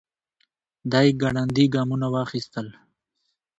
دی ګړندي ګامونه واخيستل.